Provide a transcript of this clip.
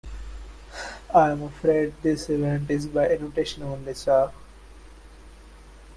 I'm afraid this event is by invitation only, sir.